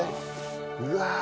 うわ。